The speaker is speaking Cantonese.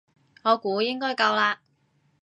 我估應該夠啦